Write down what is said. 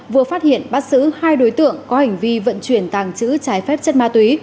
vừa phát hiện bắt xử hai đối tượng có hành vi vận chuyển tàng trữ trái phép chất ma túy